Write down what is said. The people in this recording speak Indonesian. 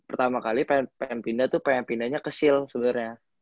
pas pertama kali pengen pindah tuh pengen pindahnya ke sil sebenernya